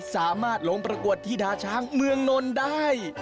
สามารถลงประกวดที่ดาช้างเมืองนนท์ได้